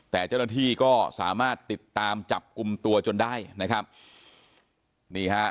แต่เจ้าหน้าที่ก็สามารถติดตามจับกลุ่มตัวจนได้นะครับนี่ฮะ